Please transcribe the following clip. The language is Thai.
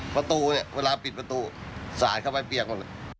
ประตูเนี่ยเวลาปิดประตูสะอาดเข้าไปเปียก